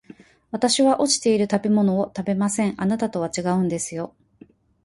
私は落ちている食べ物を食べません、あなたとは違うんですよ